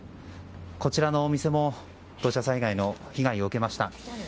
こちらのお店も土砂災害の被害を受けました。